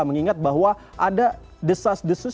mengingat bahwa ada desas desus